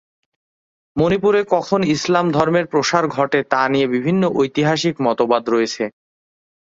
মণিপুরে কখন ইসলাম ধর্মের প্রসার ঘটে তা নিয়ে বিভিন্ন ঐতিহাসিক মতবাদ রয়েছে।